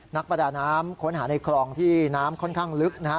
นักประดาน้ำค้นหาในคลองที่น้ำค่อนข้างลึกนะฮะ